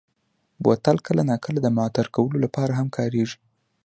بوتل کله ناکله د معطر کولو لپاره هم کارېږي.